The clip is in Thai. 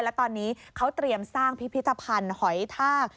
และตอนนี้เขาเตรียมสร้างพิพิธภัณฑ์หอยทาก